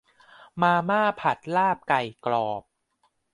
มาม่าผัดลาบไก่กรอบ